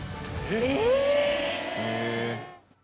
え！